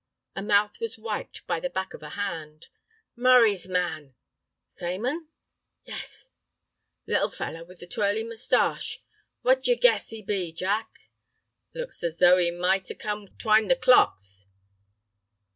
A mouth was wiped by the back of a hand. "Murray's man." "Same un?" "Yas. Little feller with the twirly mustache. What d'yer guess 'e be, Jack?" "Looks as though 'e might have come t' wind the clocks."